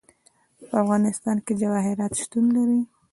په افغانستان کې جواهرات شتون لري.